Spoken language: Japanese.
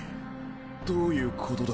どういうことだ？